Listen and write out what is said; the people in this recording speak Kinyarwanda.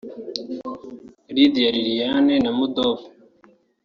Lydia Lillian Namudope